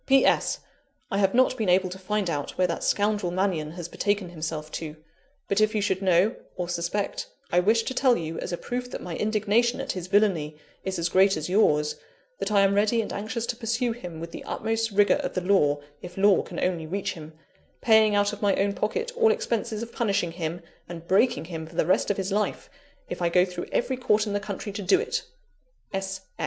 "P. S. I have not been able to find out where that scoundrel Mannion, has betaken himself to; but if you should know, or suspect, I wish to tell you, as a proof that my indignation at his villany is as great as yours, that I am ready and anxious to pursue him with the utmost rigour of the law, if law can only reach him paying out of my own pocket all expenses of punishing him and breaking him for the rest of his life, if I go through every court in the country to do it!